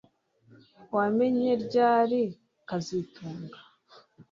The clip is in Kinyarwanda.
Wamenye ryari kazitunga